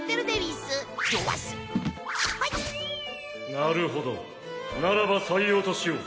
なるほどならば採用としよう。